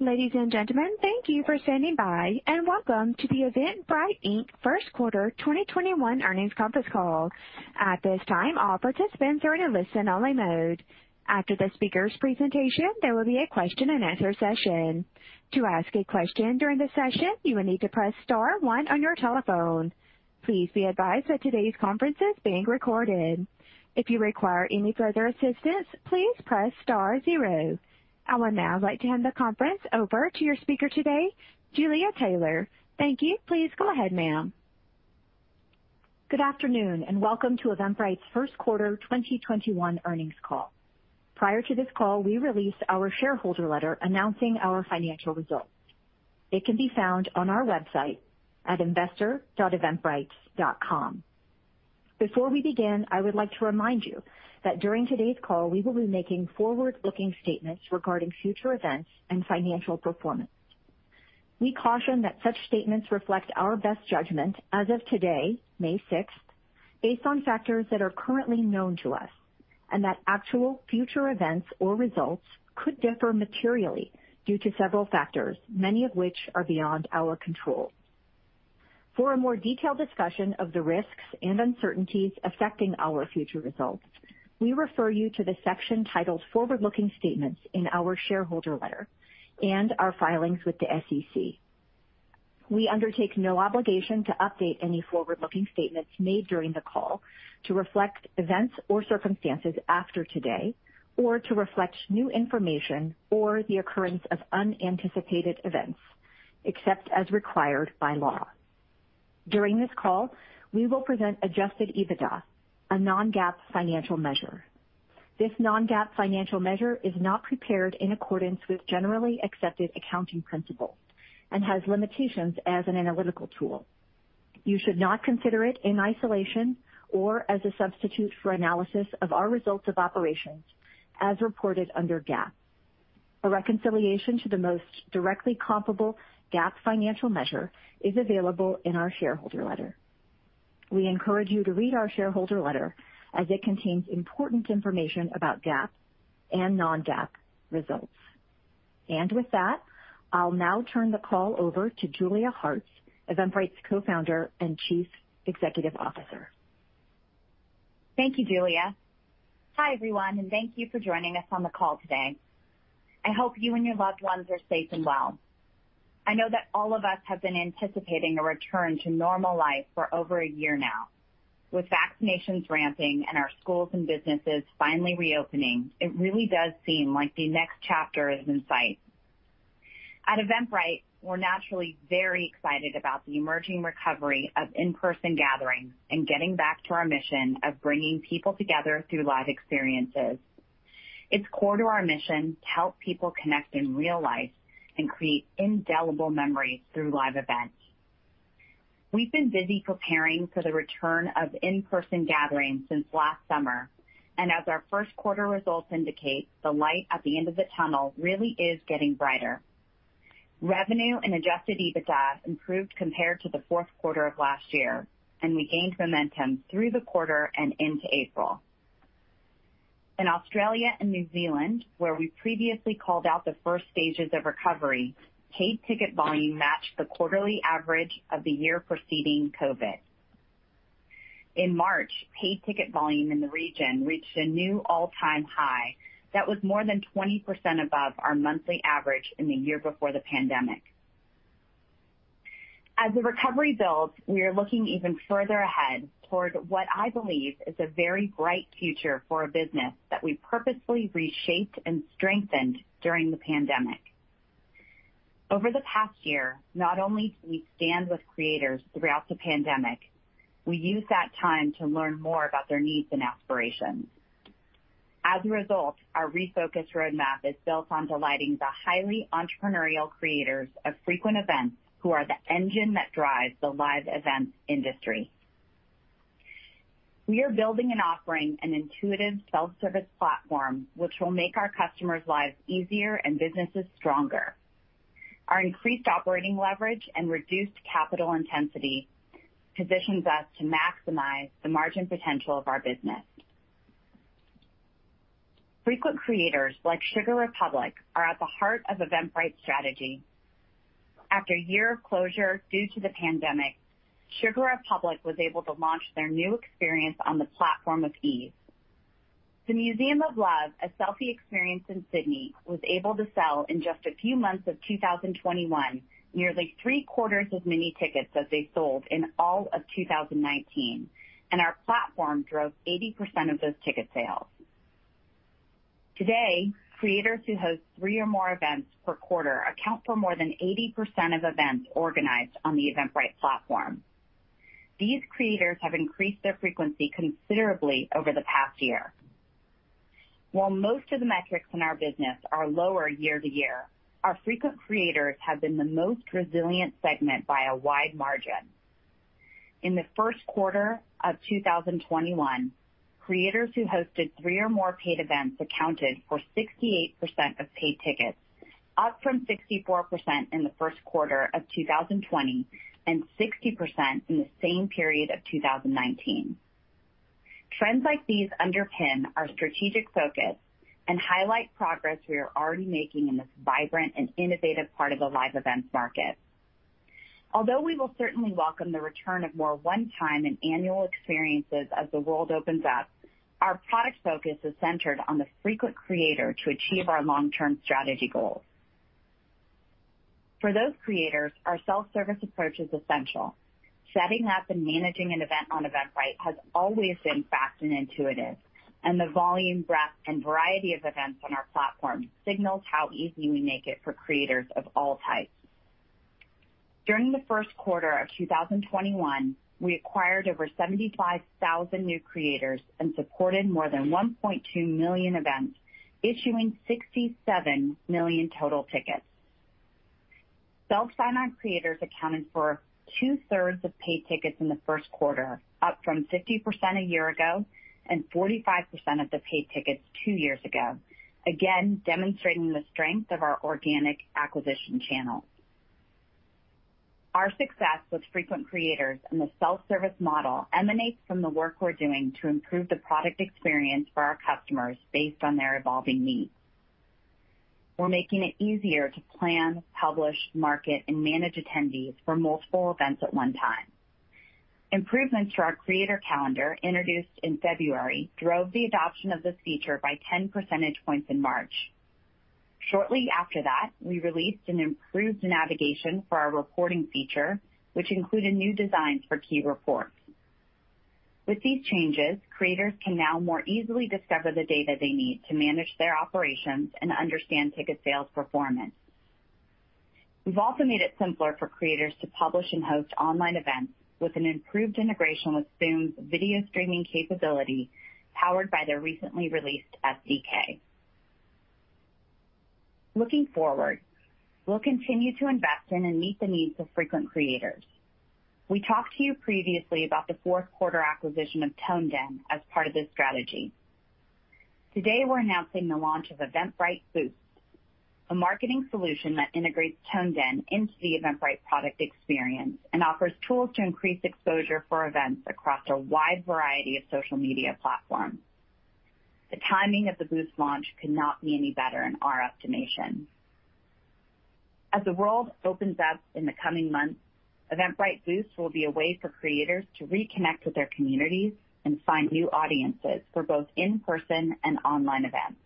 Ladies and gentlemen, thank you for standing by, and welcome to the Eventbrite, Inc. First Quarter 2021 Earnings Conference Call. At this time, all participants are in a listen-only mode. After the speaker's presentation, there will be a question-and-answer session. To ask a question during the session, you will need to press star one on your telephone. Please be advised that today's conference is being recorded. If you require any further assistance, please press star zero. I would now like to hand the conference over to your speaker today, Julia Taylor. Thank you. Please go ahead, ma'am. Good afternoon, and welcome to Eventbrite's First Quarter 2021 Earnings Call. Prior to this call, we released our shareholder letter announcing our financial results. It can be found on our website at investor.eventbrite.com. Before we begin, I would like to remind you that during today's call, we will be making forward-looking statements regarding future events and financial performance. We caution that such statements reflect our best judgment as of today, May 6th, based on factors that are currently known to us, and that actual future events or results could differ materially due to several factors, many of which are beyond our control. For a more detailed discussion of the risks and uncertainties affecting our future results, we refer you to the section titled Forward-Looking Statements in our shareholder letter and our filings with the SEC. We undertake no obligation to update any forward-looking statements made during the call to reflect events or circumstances after today, or to reflect new information or the occurrence of unanticipated events, except as required by law. During this call, we will present Adjusted EBITDA, a non-GAAP financial measure. This non-GAAP financial measure is not prepared in accordance with generally accepted accounting principles and has limitations as an analytical tool. You should not consider it in isolation or as a substitute for analysis of our results of operations as reported under GAAP. A reconciliation to the most directly comparable GAAP financial measure is available in our shareholder letter. We encourage you to read our shareholder letter as it contains important information about GAAP and non-GAAP results. And with that, I'll now turn the call over to Julia Hartz, Eventbrite's Co-founder and Chief Executive Officer. Thank you, Julia. Hi, everyone, and thank you for joining us on the call today. I hope you and your loved ones are safe and well. I know that all of us have been anticipating a return to normal life for over a year now. With vaccinations ramping and our schools and businesses finally reopening, it really does seem like the next chapter is in sight. At Eventbrite, we're naturally very excited about the emerging recovery of in-person gatherings and getting back to our mission of bringing people together through live experiences. It's core to our mission to help people connect in real life and create indelible memories through live events. We've been busy preparing for the return of in-person gatherings since last summer, and as our first quarter results indicate, the light at the end of the tunnel really is getting brighter. Revenue and Adjusted EBITDA improved compared to the fourth quarter of last year, and we gained momentum through the quarter and into April. In Australia and New Zealand, where we previously called out the first stages of recovery, paid ticket volume matched the quarterly average of the year preceding COVID. In March, paid ticket volume in the region reached a new all-time high that was more than 20% above our monthly average in the year before the pandemic. As the recovery builds, we are looking even further ahead toward what I believe is a very bright future for a business that we purposefully reshaped and strengthened during the pandemic. Over the past year, not only did we stand with creators throughout the pandemic, we used that time to learn more about their needs and aspirations. As a result, our refocus roadmap is built on delighting the highly entrepreneurial creators of frequent events who are the engine that drives the live event industry. We are building and offering an intuitive self-service platform which will make our customers' lives easier and businesses stronger. Our increased operating leverage and reduced capital intensity positions us to maximize the margin potential of our business. Frequent creators like Sugar Republic are at the heart of Eventbrite's strategy. After a year of closure due to the pandemic, Sugar Republic was able to launch their new experience on the platform of ease. The Museum of Love, a selfie experience in Sydney, was able to sell in just a few months of 2021 nearly three-quarters as many tickets as they sold in all of 2019, and our platform drove 80% of those ticket sales. Today, creators who host three or more events per quarter account for more than 80% of events organized on the Eventbrite platform. These creators have increased their frequency considerably over the past year. While most of the metrics in our business are lower year-to-year, our frequent creators have been the most resilient segment by a wide margin. In the first quarter of 2021, creators who hosted three or more paid events accounted for 68% of paid tickets, up from 64% in the first quarter of 2020 and 60% in the same period of 2019. Trends like these underpin our strategic focus and highlight progress we are already making in this vibrant and innovative part of the live events market. Although we will certainly welcome the return of more one-time and annual experiences as the world opens up, our product focus is centered on the frequent creator to achieve our long-term strategy goals. For those creators, our self-service approach is essential. Setting up and managing an event on Eventbrite has always been fast and intuitive, and the volume, breadth, and variety of events on our platform signals how easy we make it for creators of all types. During the first quarter of 2021, we acquired over 75,000 new creators and supported more than 1.2 million events, issuing 67 million total tickets. Self-sign-on creators accounted for two-thirds of paid tickets in the first quarter, up from 50% a year ago and 45% of the paid tickets two years ago, again demonstrating the strength of our organic acquisition channel. Our success with frequent creators and the self-service model emanates from the work we're doing to improve the product experience for our customers based on their evolving needs. We're making it easier to plan, publish, market, and manage attendees for multiple events at one time. Improvements to our creator calendar introduced in February drove the adoption of this feature by 10 percentage points in March. Shortly after that, we released an improved navigation for our reporting feature, which included new designs for key reports. With these changes, creators can now more easily discover the data they need to manage their operations and understand ticket sales performance. We've also made it simpler for creators to publish and host online events with an improved integration with Zoom's video streaming capability powered by their recently released SDK. Looking forward, we'll continue to invest in and meet the needs of frequent creators. We talked to you previously about the fourth quarter acquisition of ToneDen as part of this strategy. Today, we're announcing the launch of Eventbrite Boost, a marketing solution that integrates ToneDen into the Eventbrite product experience and offers tools to increase exposure for events across a wide variety of social media platforms. The timing of the Boost launch could not be any better in our estimation. As the world opens up in the coming months, Eventbrite Boost will be a way for creators to reconnect with their communities and find new audiences for both in-person and online events.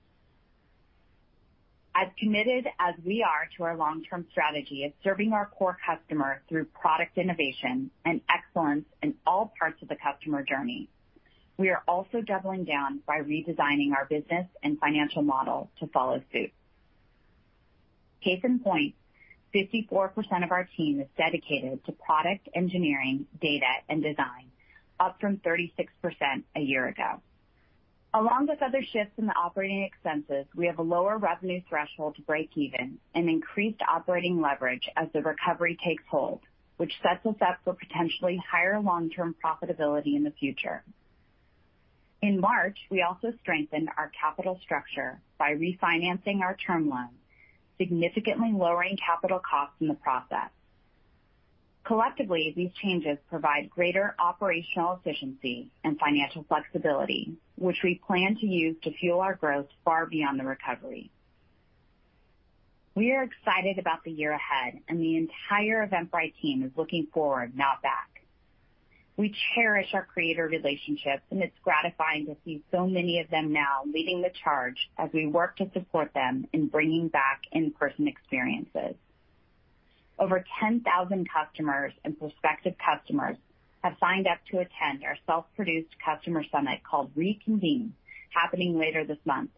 As committed as we are to our long-term strategy of serving our core customer through product innovation and excellence in all parts of the customer journey, we are also doubling down by redesigning our business and financial model to follow suit. Case in point, 54% of our team is dedicated to product engineering, data, and design, up from 36% a year ago. Along with other shifts in the operating expenses, we have a lower revenue threshold to break even and increased operating leverage as the recovery takes hold, which sets us up for potentially higher long-term profitability in the future. In March, we also strengthened our capital structure by refinancing our term loan, significantly lowering capital costs in the process. Collectively, these changes provide greater operational efficiency and financial flexibility, which we plan to use to fuel our growth far beyond the recovery. We are excited about the year ahead, and the entire Eventbrite team is looking forward, not back. We cherish our creator relationships, and it's gratifying to see so many of them now leading the charge as we work to support them in bringing back in-person experiences. Over 10,000 customers and prospective customers have signed up to attend our self-produced customer summit called Reconvene, happening later this month.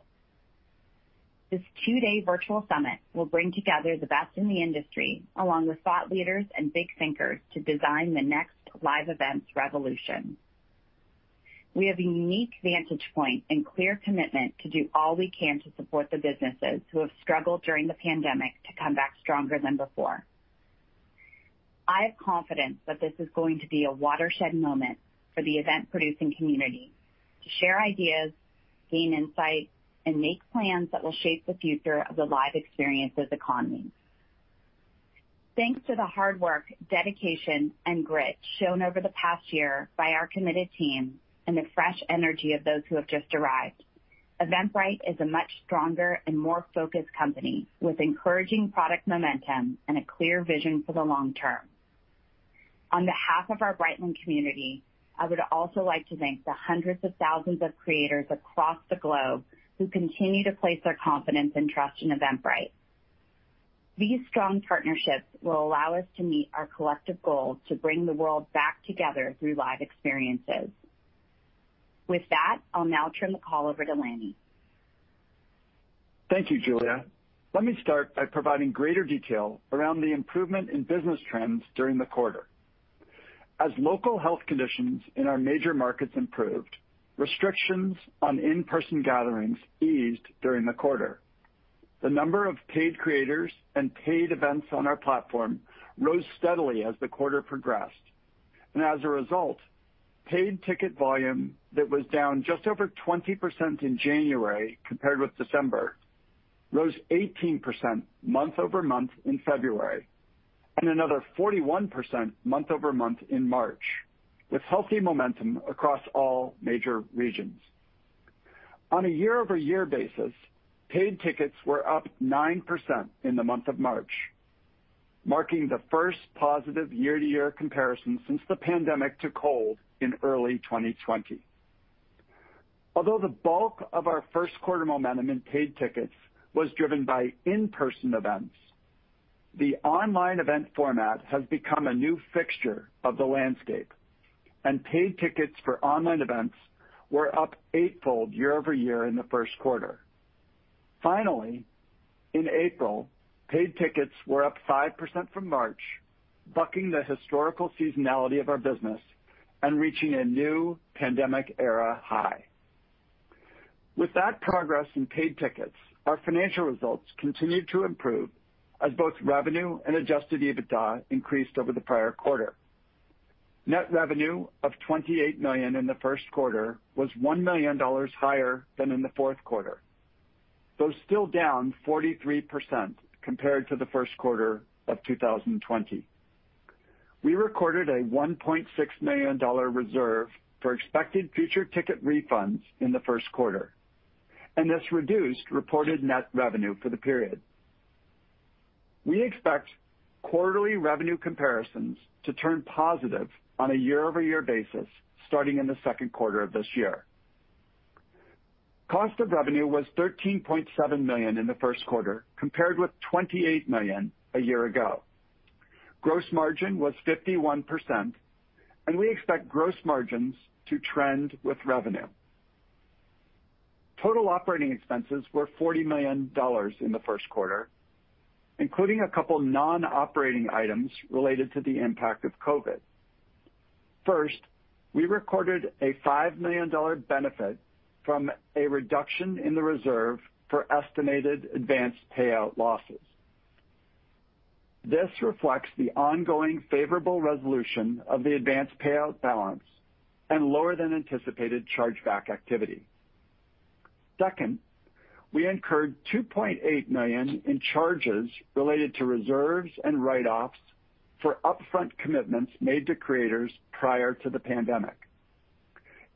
This two-day virtual summit will bring together the best in the industry along with thought leaders and big thinkers to design the next live events revolution. We have a unique vantage point and clear commitment to do all we can to support the businesses who have struggled during the pandemic to come back stronger than before. I have confidence that this is going to be a watershed moment for the event-producing community to share ideas, gain insight, and make plans that will shape the future of the live experiences economy. Thanks to the hard work, dedication, and grit shown over the past year by our committed team and the fresh energy of those who have just arrived, Eventbrite is a much stronger and more focused company with encouraging product momentum and a clear vision for the long term. On behalf of our Eventbrite community, I would also like to thank the hundreds of thousands of creators across the globe who continue to place their confidence and trust in Eventbrite. These strong partnerships will allow us to meet our collective goal to bring the world back together through live experiences. With that, I'll now turn the call over to Lanny. Thank you, Julia. Let me start by providing greater detail around the improvement in business trends during the quarter. As local health conditions in our major markets improved, restrictions on in-person gatherings eased during the quarter. The number of paid creators and paid events on our platform rose steadily as the quarter progressed. And as a result, paid ticket volume that was down just over 20% in January compared with December rose 18% month-over-month in February and another 41% month-over-month in March, with healthy momentum across all major regions. On a year-over-year basis, paid tickets were up 9% in the month of March, marking the first positive year-to-year comparison since the pandemic took hold in early 2020. Although the bulk of our first quarter momentum in paid tickets was driven by in-person events, the online event format has become a new fixture of the landscape, and paid tickets for online events were up eightfold year-over-year in the first quarter. Finally, in April, paid tickets were up 5% from March, bucking the historical seasonality of our business and reaching a new pandemic-era high. With that progress in paid tickets, our financial results continued to improve as both revenue and Adjusted EBITDA increased over the prior quarter. Net revenue of $28 million in the first quarter was $1 million higher than in the fourth quarter, though still down 43% compared to the first quarter of 2020. We recorded a $1.6 million reserve for expected future ticket refunds in the first quarter, and this reduced reported net revenue for the period. We expect quarterly revenue comparisons to turn positive on a year-over-year basis starting in the second quarter of this year. Cost of revenue was $13.7 million in the first quarter compared with $28 million a year ago. Gross margin was 51%, and we expect gross margins to trend with revenue. Total operating expenses were $40 million in the first quarter, including a couple of non-operating items related to the impact of COVID. First, we recorded a $5 million benefit from a reduction in the reserve for estimated advance payout losses. This reflects the ongoing favorable resolution of the advance payout balance and lower-than-anticipated chargeback activity. Second, we incurred $2.8 million in charges related to reserves and write-offs for upfront commitments made to creators prior to the pandemic.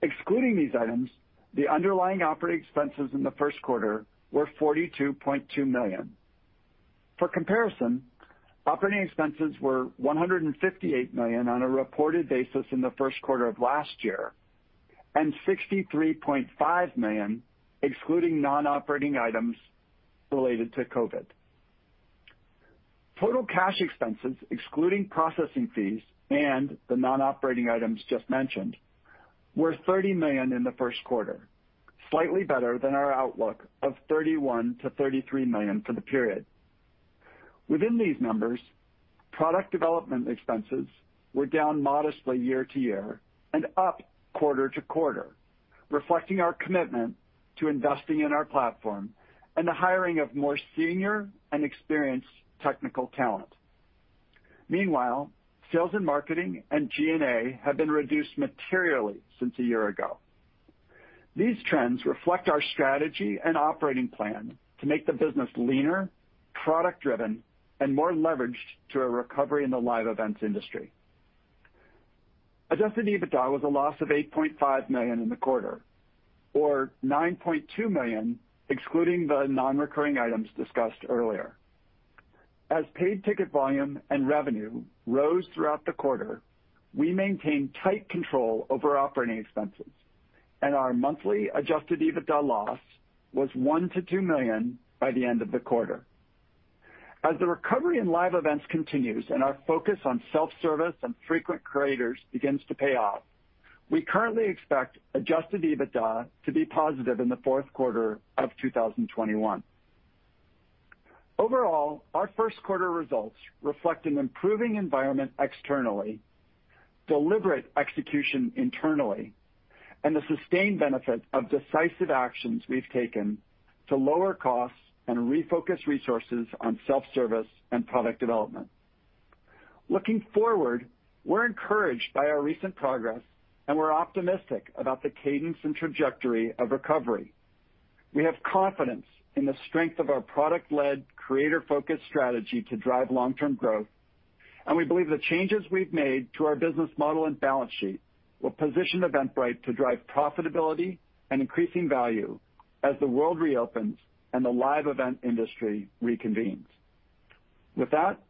Excluding these items, the underlying operating expenses in the first quarter were $42.2 million. For comparison, operating expenses were $158 million on a reported basis in the first quarter of last year and $63.5 million, excluding non-operating items related to COVID. Total cash expenses, excluding processing fees and the non-operating items just mentioned, were $30 million in the first quarter, slightly better than our outlook of $31-$33 million for the period. Within these numbers, product development expenses were down modestly year-to-year and up quarter to quarter, reflecting our commitment to investing in our platform and the hiring of more senior and experienced technical talent. Meanwhile, sales and marketing and G&A have been reduced materially since a year ago. These trends reflect our strategy and operating plan to make the business leaner, product-driven, and more leveraged to a recovery in the live events industry. Adjusted EBITDA was a loss of $8.5 million in the quarter, or $9.2 million, excluding the non-recurring items discussed earlier. As paid ticket volume and revenue rose throughout the quarter, we maintained tight control over operating expenses, and our monthly Adjusted EBITDA loss was $1-$2 million by the end of the quarter. As the recovery in live events continues and our focus on self-service and frequent creators begins to pay off, we currently expect Adjusted EBITDA to be positive in the fourth quarter of 2021. Overall, our first quarter results reflect an improving environment externally, deliberate execution internally, and the sustained benefit of decisive actions we've taken to lower costs and refocus resources on self-service and product development. Looking forward, we're encouraged by our recent progress, and we're optimistic about the cadence and trajectory of recovery. We have confidence in the strength of our product-led, creator-focused strategy to drive long-term growth, and we believe the changes we've made to our business model and balance sheet will position Eventbrite to drive profitability and increasing value as the world reopens and the live event industry reconvenes. With that,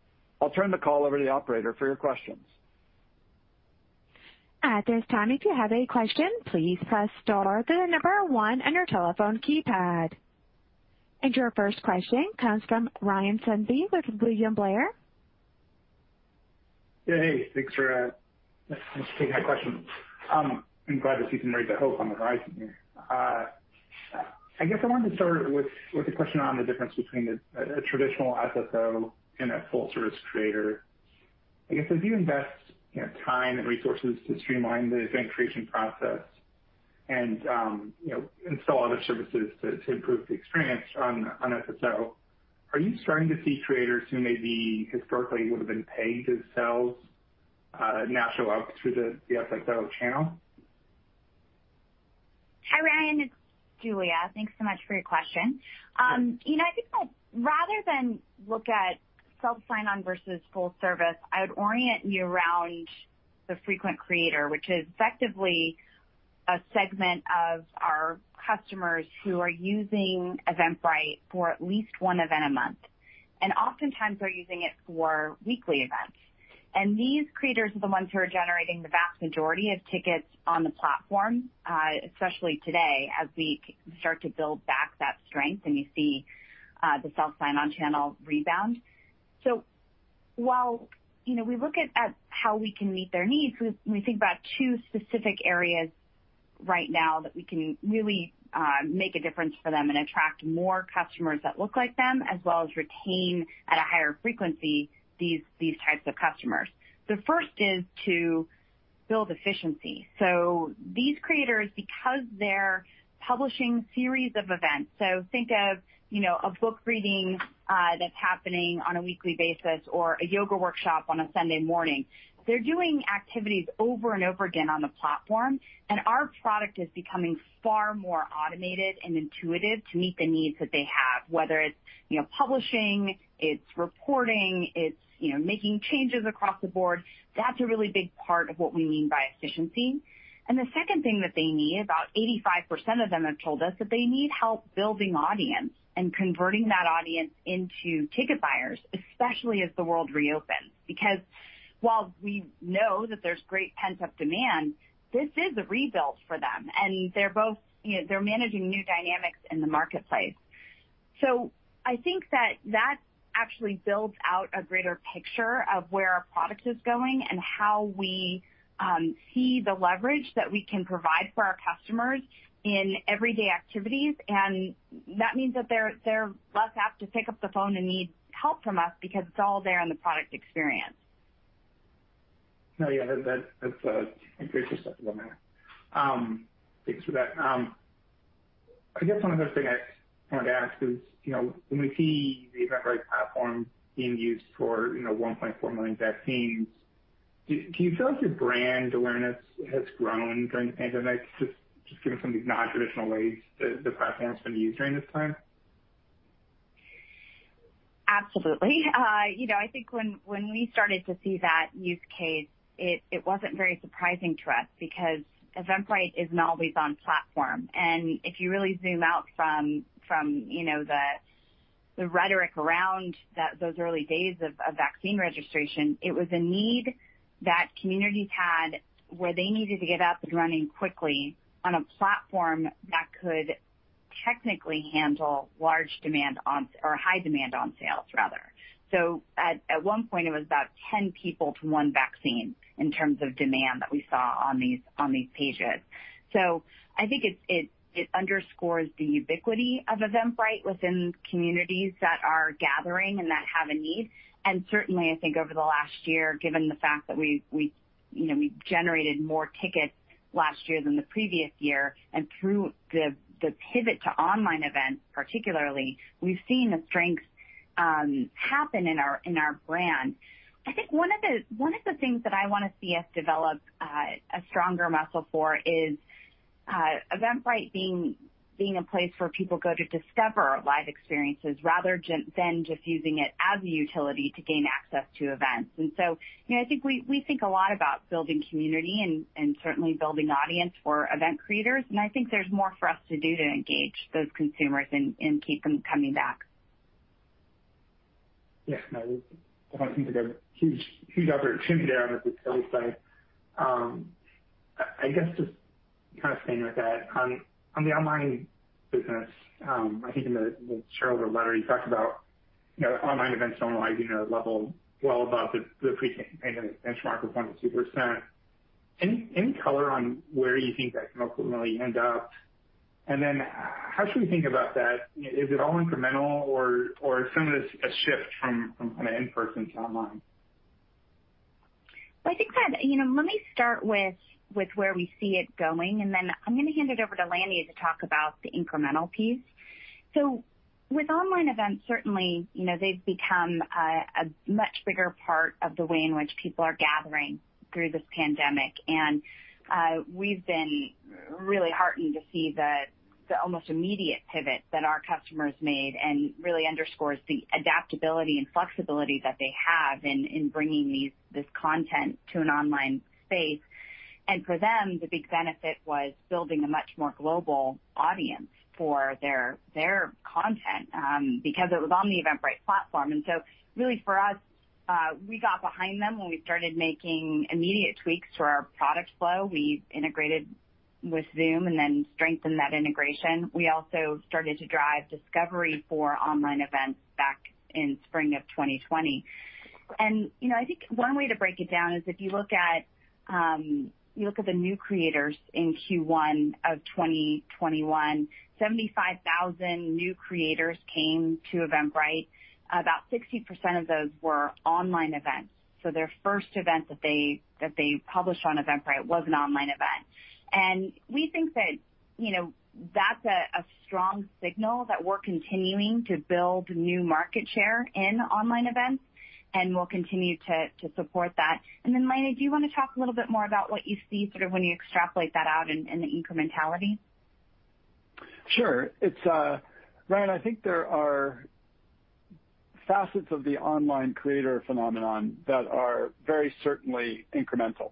I'll turn the call over to the operator for your questions. At this time, if you have a question, please press star to the number one on your telephone keypad. And your first question comes from Ryan Sundby with William Blair. Yeah, hey. Thanks for taking my question. I'm glad to see some rays of hope on the horizon here. I guess I wanted to start with a question on the difference between a traditional SSO and a full-service creator. I guess as you invest time and resources to streamline the event creation process and install other services to improve the experience on SSO, are you starting to see creators who maybe historically would have been pushed to sales now show up through the SSO channel? Hi, Ryan. It's Julia. Thanks so much for your question. You know, I think that rather than look at self-sign-on versus full service, I would orient you around the frequent creator, which is effectively a segment of our customers who are using Eventbrite for at least one event a month. And oftentimes, they're using it for weekly events. And these creators are the ones who are generating the vast majority of tickets on the platform, especially today as we start to build back that strength and you see the self-sign-on channel rebound. So while we look at how we can meet their needs, we think about two specific areas right now that we can really make a difference for them and attract more customers that look like them, as well as retain at a higher frequency these types of customers. The first is to build efficiency. These creators, because they're publishing a series of events, so think of a book reading that's happening on a weekly basis or a yoga workshop on a Sunday morning, they're doing activities over and over again on the platform, and our product is becoming far more automated and intuitive to meet the needs that they have, whether it's publishing, it's reporting, it's making changes across the board. That's a really big part of what we mean by efficiency. The second thing that they need, about 85% of them have told us that they need help building audience and converting that audience into ticket buyers, especially as the world reopens. Because while we know that there's great pent-up demand, this is a rebuild for them, and they're both managing new dynamics in the marketplace. So I think that that actually builds out a greater picture of where our product is going and how we see the leverage that we can provide for our customers in everyday activities. And that means that they're less apt to pick up the phone and need help from us because it's all there in the product experience. No, yeah, that's a great perspective on that. Thanks for that. I guess one other thing I wanted to ask is, when we see the Eventbrite platform being used for 1.4 million vaccines, do you feel like your brand awareness has grown during the pandemic, just given some of these non-traditional ways the platform has been used during this time? Absolutely. I think when we started to see that use case, it wasn't very surprising to us because Eventbrite isn't always the platform. And if you really zoom out from the rhetoric around those early days of vaccine registration, it was a need that communities had where they needed to get up and running quickly on a platform that could technically handle large demand or high demand on sales, rather. So at one point, it was about 10 people to one vaccine in terms of demand that we saw on these pages. So I think it underscores the ubiquity of Eventbrite within communities that are gathering and that have a need. And certainly, I think over the last year, given the fact that we generated more tickets last year than the previous year, and through the pivot to online events, particularly, we've seen the strength happen in our brand. I think one of the things that I want to see us develop a stronger muscle for is Eventbrite being a place where people go to discover live experiences rather than just using it as a utility to gain access to events, and so I think we think a lot about building community and certainly building audience for event creators, and I think there's more for us to do to engage those consumers and keep them coming back. Yeah, no, I think we got a huge opportunity there on this early side. I guess just kind of staying with that. On the online business, I think in the shareholder letter, you talked about online events normalizing at a level well above the pre-pandemic benchmark of 1%-2%. Any color on where you think that can ultimately end up? And then how should we think about that? Is it all incremental, or is some of this a shift from kind of in-person to online? I think that let me start with where we see it going, and then I'm going to hand it over to Lanny to talk about the incremental piece. With online events, certainly, they've become a much bigger part of the way in which people are gathering through this pandemic. We've been really heartened to see the almost immediate pivot that our customers made, and really underscores the adaptability and flexibility that they have in bringing this content to an online space. For them, the big benefit was building a much more global audience for their content because it was on the Eventbrite platform. Really, for us, we got behind them when we started making immediate tweaks to our product flow. We integrated with Zoom and then strengthened that integration. We also started to drive discovery for online events back in spring of 2020. I think one way to break it down is if you look at the new creators in Q1 of 2021, 75,000 new creators came to Eventbrite. About 60% of those were online events. Their first event that they published on Eventbrite was an online event. We think that that's a strong signal that we're continuing to build new market share in online events and will continue to support that. Then, Lanny, do you want to talk a little bit more about what you see sort of when you extrapolate that out in the incrementality? Sure. Ryan, I think there are facets of the online creator phenomenon that are very certainly incremental.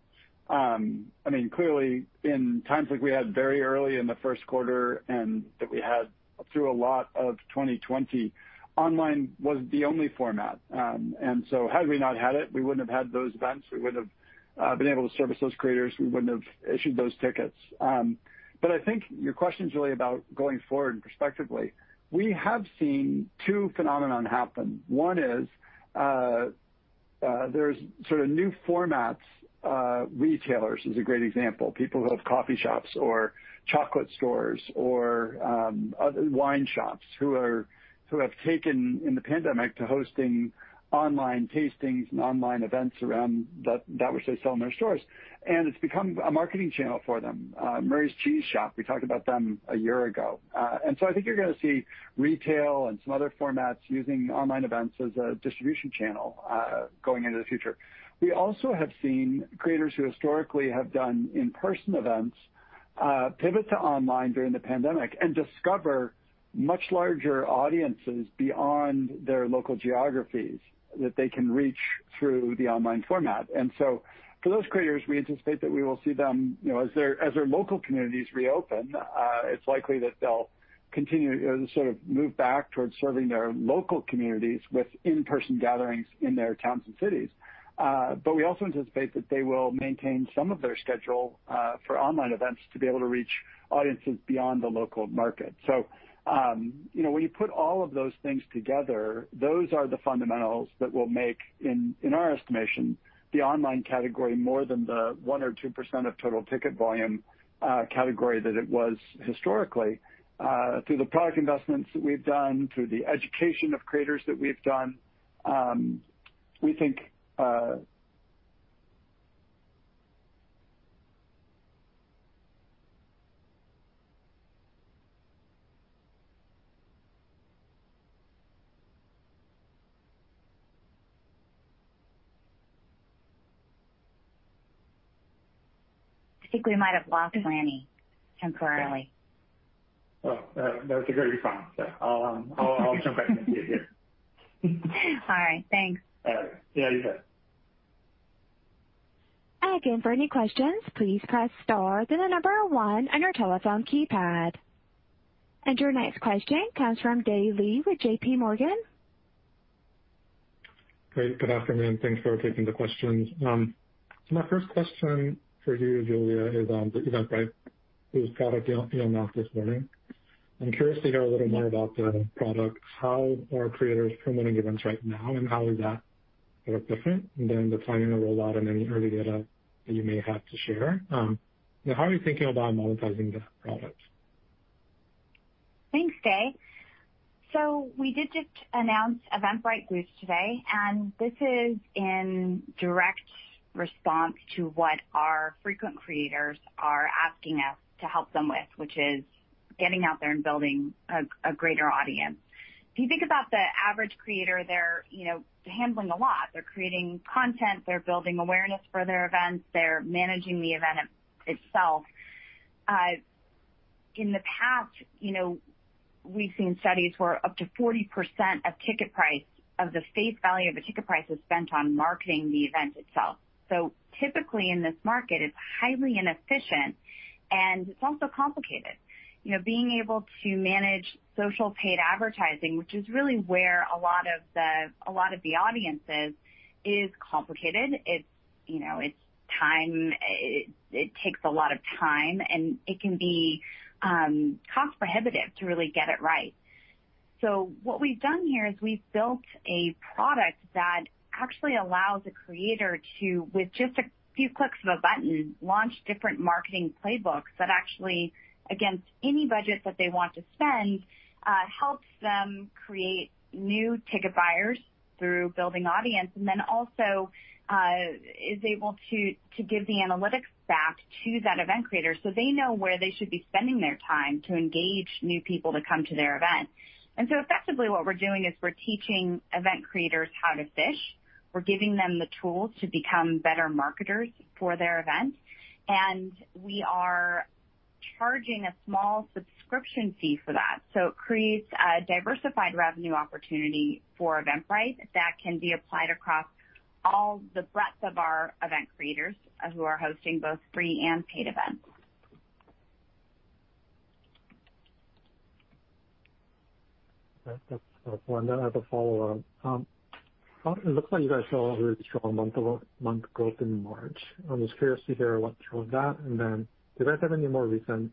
I mean, clearly, in times like we had very early in the first quarter and that we had through a lot of 2020, online was the only format, and so had we not had it, we wouldn't have had those events. We wouldn't have been able to service those creators. We wouldn't have issued those tickets, but I think your question's really about going forward and prospectively. We have seen two phenomena happen. One is there's sort of new formats. Retailers is a great example. People who have coffee shops or chocolate stores or wine shops who have taken in the pandemic to hosting online tastings and online events around that which they sell in their stores, and it's become a marketing channel for them. Murray's Cheese Shop, we talked about them a year ago, and so I think you're going to see retail and some other formats using online events as a distribution channel going into the future. We also have seen creators who historically have done in-person events pivot to online during the pandemic and discover much larger audiences beyond their local geographies that they can reach through the online format, and so for those creators, we anticipate that we will see them as their local communities reopen, it's likely that they'll continue to sort of move back towards serving their local communities with in-person gatherings in their towns and cities, but we also anticipate that they will maintain some of their schedule for online events to be able to reach audiences beyond the local market. So when you put all of those things together, those are the fundamentals that will make, in our estimation, the online category more than the one or two% of total ticket volume category that it was historically. Through the product investments that we've done, through the education of creators that we've done, we think. I think we might have lost Lanny temporarily. Oh, no, it's a great response. I'll jump back in and see it here. All right. Thanks. All right. Yeah, you bet. Again, for any questions, please press star to the number one on your telephone keypad. And your next question comes from Dae Lee with J.P. Morgan. Great. Good afternoon. Thanks for taking the questions. My first question for you, Julia, is on the Eventbrite product you announced this morning. I'm curious to hear a little more about the product. How are creators promoting events right now, and how is that different than the timing of rollout and any early data that you may have to share? Now, how are you thinking about monetizing that product? Thanks, Dae. So we did just announce Eventbrite Boost today, and this is in direct response to what our frequent creators are asking us to help them with, which is getting out there and building a greater audience. If you think about the average creator, they're handling a lot. They're creating content. They're building awareness for their events. They're managing the event itself. In the past, we've seen studies where up to 40% of ticket price, of the face value of a ticket price, is spent on marketing the event itself. So typically, in this market, it's highly inefficient, and it's also complicated. Being able to manage social paid advertising, which is really where a lot of the audience is, is complicated. It takes a lot of time, and it can be cost-prohibitive to really get it right. So what we've done here is we've built a product that actually allows a creator to, with just a few clicks of a button, launch different marketing playbooks that actually, against any budget that they want to spend, helps them create new ticket buyers through building audience, and then also is able to give the analytics back to that event creator so they know where they should be spending their time to engage new people to come to their event. And so effectively, what we're doing is we're teaching event creators how to fish. We're giving them the tools to become better marketers for their event. And we are charging a small subscription fee for that. So it creates a diversified revenue opportunity for Eventbrite that can be applied across all the breadth of our event creators who are hosting both free and paid events. That's one that I have a follow-up. It looks like you guys saw a really strong month growth in March. I'm just curious to hear what drove that. And then do you guys have any more recent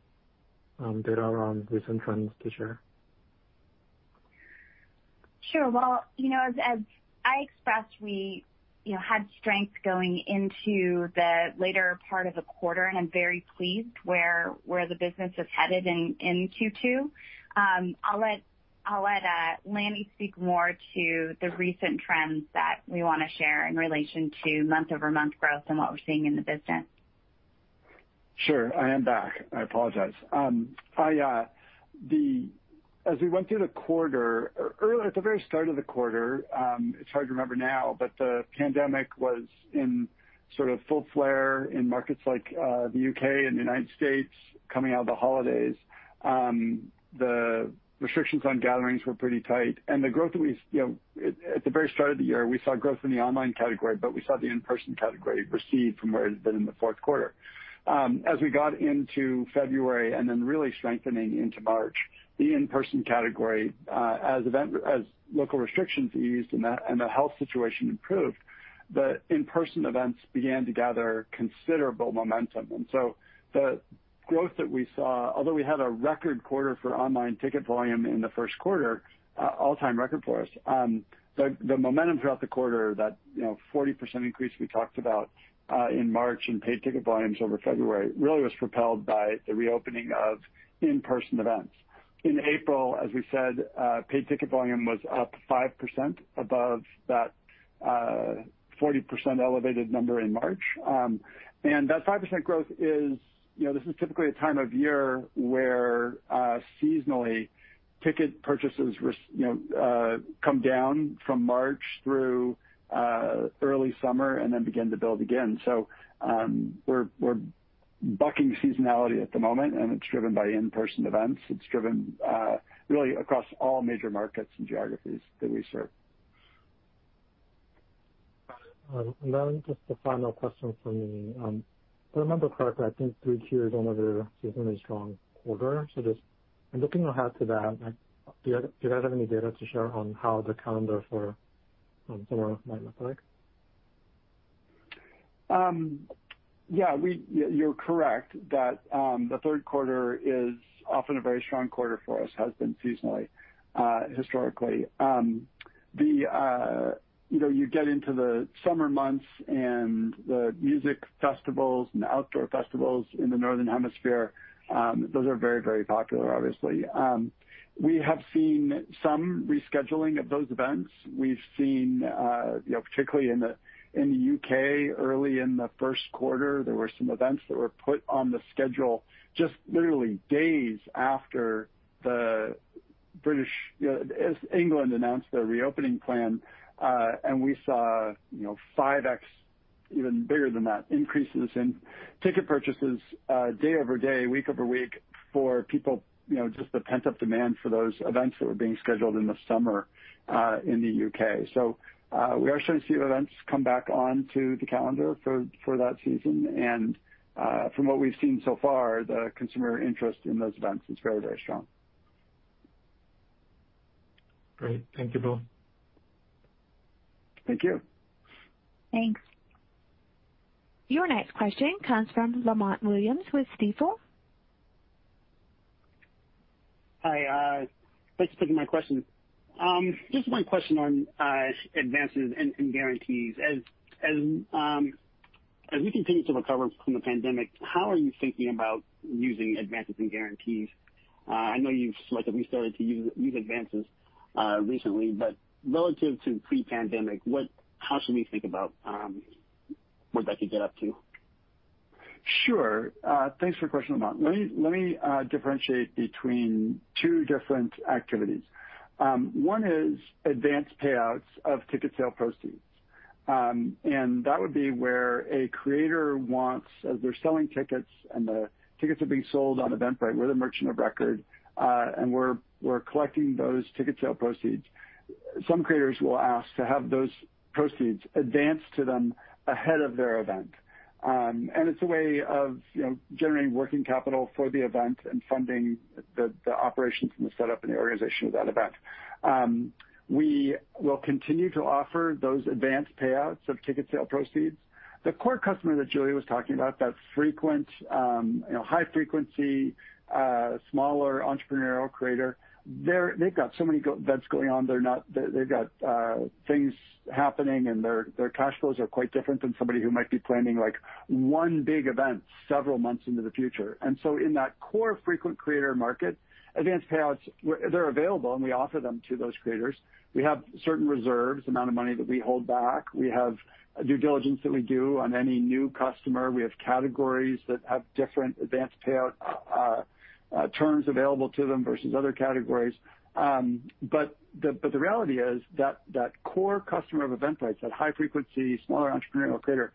data around recent trends to share? Sure. Well, as I expressed, we had strength going into the later part of the quarter, and I'm very pleased where the business is headed in Q2. I'll let Lanny speak more to the recent trends that we want to share in relation to month-over-month growth and what we're seeing in the business. Sure. I am back. I apologize. As we went through the quarter, at the very start of the quarter, it's hard to remember now, but the pandemic was in sort of full flare in markets like the U.K. and the United States coming out of the holidays. The restrictions on gatherings were pretty tight, and the growth that we at the very start of the year, we saw growth in the online category, but we saw the in-person category recede from where it had been in the fourth quarter. As we got into February and then really strengthening into March, the in-person category, as local restrictions eased and the health situation improved, the in-person events began to gather considerable momentum. And so the growth that we saw, although we had a record quarter for online ticket volume in the first quarter, all-time record for us, the momentum throughout the quarter, that 40% increase we talked about in March in paid ticket volumes over February, really was propelled by the reopening of in-person events. In April, as we said, paid ticket volume was up 5% above that 40% elevated number in March. And that 5% growth. This is typically a time of year where seasonally ticket purchases come down from March through early summer and then begin to build again. So we're bucking seasonality at the moment, and it's driven by in-person events. It's driven really across all major markets and geographies that we serve. Lanny, just a final question from me. If I remember correctly, I think Q2 is one of the seasonally strong quarters. So just looking ahead to that, do you guys have any data to share on how the calendar for summer might look like? Yeah, you're correct that the third quarter is often a very strong quarter for us, has been seasonally historically. You get into the summer months and the music festivals and outdoor festivals in the Northern Hemisphere, those are very, very popular, obviously. We have seen some rescheduling of those events. We've seen, particularly in the U.K., early in the first quarter, there were some events that were put on the schedule just literally days after England announced their reopening plan, and we saw 5x, even bigger than that, increases in ticket purchases day over day, week over week for people, just the pent-up demand for those events that were being scheduled in the summer in the U.K., so we are starting to see events come back onto the calendar for that season, and from what we've seen so far, the consumer interest in those events is very, very strong. Great. Thank you both. Thank you. Thanks. Your next question comes from Lamont Williams with Stifel. Hi. Thanks for taking my question. Just one question on advances and guarantees. As we continue to recover from the pandemic, how are you thinking about using advances and guarantees? I know you've selectively started to use advances recently, but relative to pre-pandemic, how should we think about what that could get up to? Sure. Thanks for the question, Lamont. Let me differentiate between two different activities. One is advance payouts of ticket sale proceeds, and that would be where a creator wants, as they're selling tickets and the tickets are being sold on Eventbrite, we're the merchant of record, and we're collecting those ticket sale proceeds. Some creators will ask to have those proceeds advanced to them ahead of their event, and it's a way of generating working capital for the event and funding the operations and the setup and the organization of that event. We will continue to offer those advance payouts of ticket sale proceeds. The core customer that Julia was talking about, that frequent, high-frequency, smaller entrepreneurial creator, they've got so many events going on. They've got things happening, and their cash flows are quite different than somebody who might be planning one big event several months into the future. And so in that core frequent creator market, advance payouts, they're available, and we offer them to those creators. We have certain reserves, the amount of money that we hold back. We have due diligence that we do on any new customer. We have categories that have different advance payout terms available to them versus other categories. But the reality is that core customer of Eventbrite, that high-frequency, smaller entrepreneurial creator,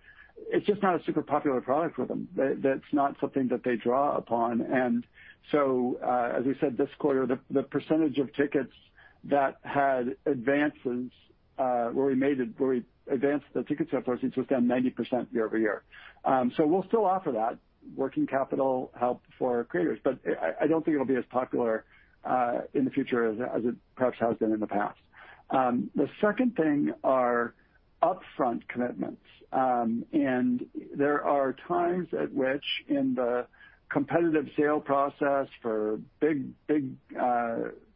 it's just not a super popular product for them. That's not something that they draw upon. And so, as we said this quarter, the percentage of tickets that had advances where we advanced the ticket sale proceeds was down 90% year over year. So we'll still offer that working capital help for creators, but I don't think it'll be as popular in the future as it perhaps has been in the past. The second thing are upfront commitments. There are times at which, in the competitive sale process for big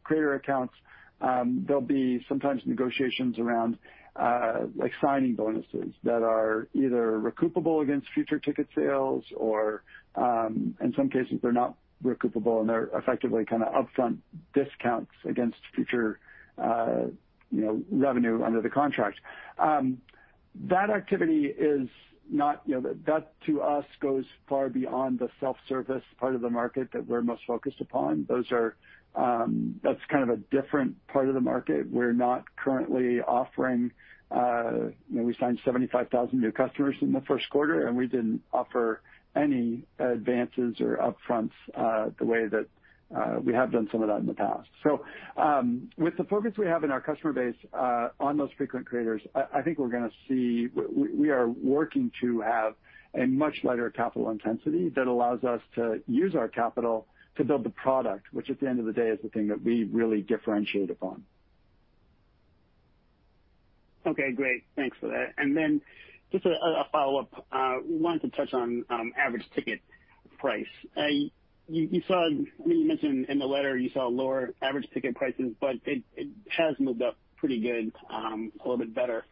creator accounts, there'll be sometimes negotiations around signing bonuses that are either recoupable against future ticket sales, or in some cases, they're not recoupable, and they're effectively kind of upfront discounts against future revenue under the contract. That activity is not. That, to us, goes far beyond the self-service part of the market that we're most focused upon. That's kind of a different part of the market. We're not currently offering. We signed 75,000 new customers in the first quarter, and we didn't offer any advances or upfronts the way that we have done some of that in the past. So with the focus we have in our customer base on those frequent creators, I think we're going to see we are working to have a much lighter capital intensity that allows us to use our capital to build the product, which, at the end of the day, is the thing that we really differentiate upon. Okay. Great. Thanks for that. And then just a follow-up. We wanted to touch on average ticket price. I mean, you mentioned in the letter you saw lower average ticket prices, but it has moved up pretty good, a little bit better.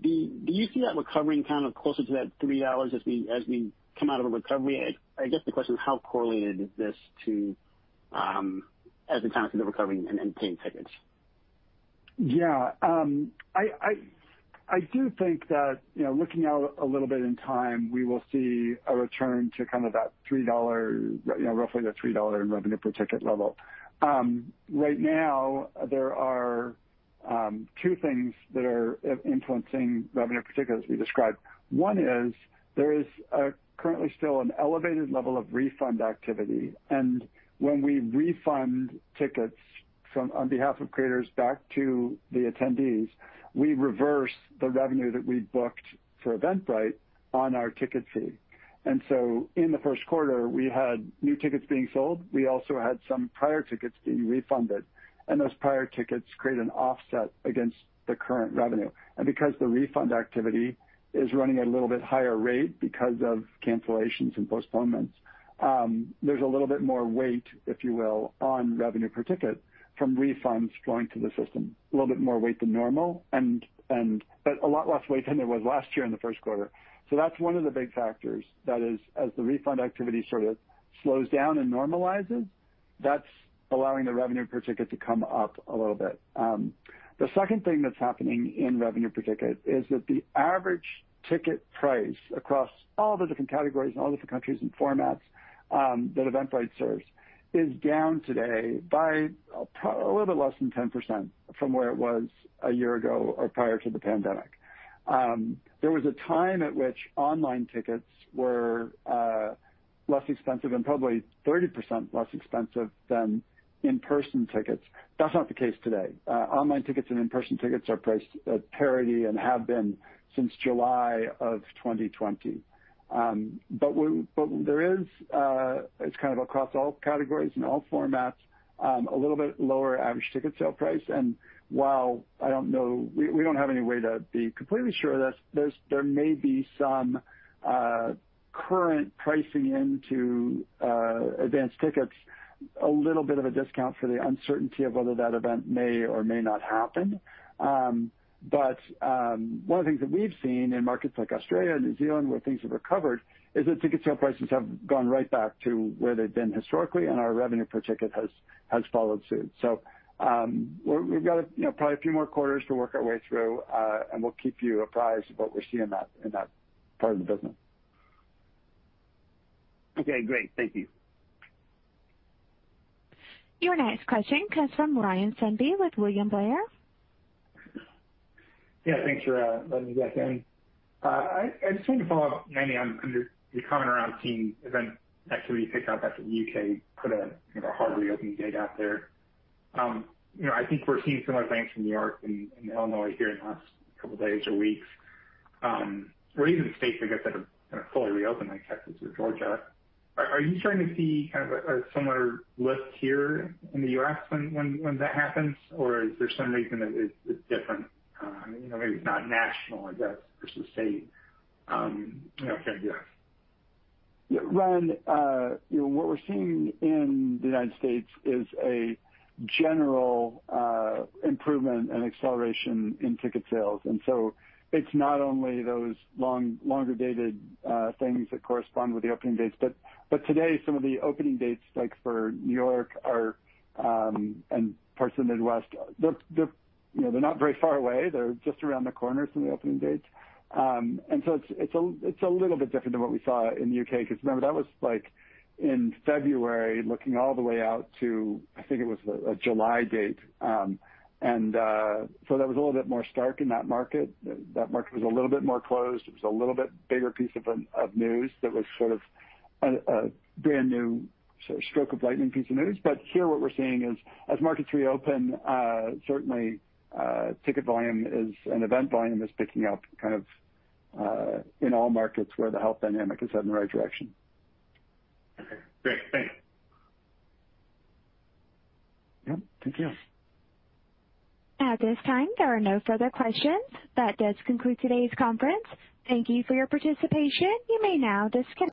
Do you see that recovering kind of closer to that $3 as we come out of a recovery? I guess the question is, how correlated is this to the timing of the recovery and paid tickets? Yeah. I do think that, looking out a little bit in time, we will see a return to kind of that $3, roughly the $3 in revenue per ticket level. Right now, there are two things that are influencing revenue, particularly as we described. One is there is currently still an elevated level of refund activity. And when we refund tickets on behalf of creators back to the attendees, we reverse the revenue that we booked for Eventbrite on our ticket fee. And so in the first quarter, we had new tickets being sold. We also had some prior tickets being refunded. And those prior tickets create an offset against the current revenue. And because the refund activity is running at a little bit higher rate because of cancellations and postponements, there's a little bit more weight, if you will, on revenue per ticket from refunds flowing to the system. A little bit more weight than normal, but a lot less weight than there was last year in the first quarter. So that's one of the big factors that is, as the refund activity sort of slows down and normalizes, that's allowing the revenue per ticket to come up a little bit. The second thing that's happening in revenue per ticket is that the average ticket price across all the different categories and all different countries and formats that Eventbrite serves is down today by a little bit less than 10% from where it was a year ago or prior to the pandemic. There was a time at which online tickets were less expensive and probably 30% less expensive than in-person tickets. That's not the case today. Online tickets and in-person tickets are priced at parity and have been since July of 2020. But there is, it's kind of across all categories and all formats, a little bit lower average ticket sale price. And while I don't know, we don't have any way to be completely sure of this, there may be some current pricing into advanced tickets, a little bit of a discount for the uncertainty of whether that event may or may not happen. But one of the things that we've seen in markets like Australia and New Zealand, where things have recovered, is that ticket sale prices have gone right back to where they've been historically, and our revenue per ticket has followed suit. So we've got probably a few more quarters to work our way through, and we'll keep you apprised of what we're seeing in that part of the business. Okay. Great. Thank you. Your next question comes from Ryan Sundby with William Blair. Yeah. Thanks for letting me back in. I just wanted to follow up, Lanny, on your comment around seeing event activity pick up after the U.K. put a hard reopening date out there. I think we're seeing similar things from New York and Illinois here in the last couple of days or weeks, or even states, I guess, that are kind of fully reopening, Texas or Georgia. Are you starting to see kind of a similar lift here in the U.S. when that happens, or is there some reason that it's different? Maybe it's not national, I guess, versus the state. If you're in the U.S. Yeah. Ryan, what we're seeing in the United States is a general improvement and acceleration in ticket sales. And so it's not only those longer-dated things that correspond with the opening dates, but today, some of the opening dates for New York and parts of the Midwest, they're not very far away. They're just around the corner from the opening dates. And so it's a little bit different than what we saw in the U.K. because, remember, that was in February, looking all the way out to, I think it was a July date. And so that was a little bit more stark in that market. That market was a little bit more closed. It was a little bit bigger piece of news that was sort of a brand new stroke of lightning piece of news. But here, what we're seeing is, as markets reopen, certainly ticket volume and event volume is picking up kind of in all markets where the health dynamic has had the right direction. Okay. Great. Thanks. Yep. Thank you. At this time, there are no further questions. That does conclude today's conference. Thank you for your participation. You may now disconnect.